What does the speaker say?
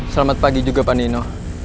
selamat pagi juga pak nino